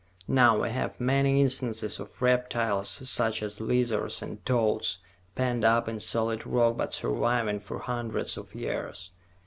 Now, we have many instances of reptiles such as lizards and toads penned up in solid rock but surviving for hundreds of years.